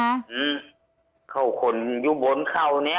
อืมเข้าคนอยู่บนเข้าเนี้ย